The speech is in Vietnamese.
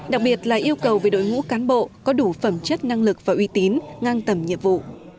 đặc biệt là yêu cầu về đội ngũ cán bộ có đủ phẩm chất năng lực và uy tín ngang tầm nhiệm vụ